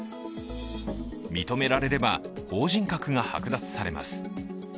認められれば法人格がはく奪されます。